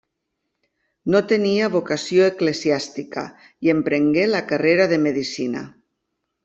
No tenia vocació eclesiàstica, i emprengué la carrera de medicina.